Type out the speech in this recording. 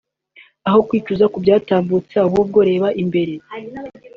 Aho kwicuza ku byatambutse ahubwo reba imbere